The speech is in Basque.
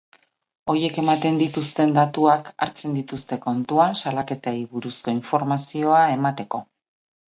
Horiek ematen dituzten datuak hartzen dituzte kontuan salaketei buruzko informazioa emateko.